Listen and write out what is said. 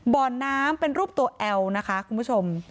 บ่อน้ำเป็นรูปตัวแอลนะคะคุณผู้ชม